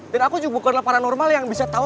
dan aku juga bukanlah paranormal yang bisa tau